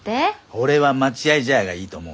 俺は待合茶屋がいいと思うねえ。